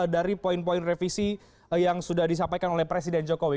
dari poin poin revisi yang sudah disampaikan oleh presiden jokowi